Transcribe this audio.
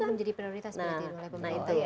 ini menjadi prioritas pemerintah